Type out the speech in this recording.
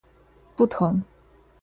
不疼